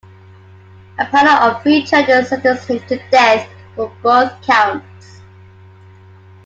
A panel of three judges sentenced him to death for both counts.